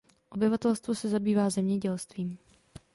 Obyvatelstvo se zabývá zemědělstvím.